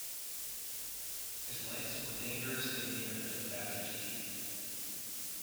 His legs were dangerously near to the badger's teeth.